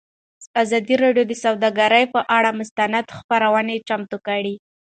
ازادي راډیو د سوداګري پر اړه مستند خپرونه چمتو کړې.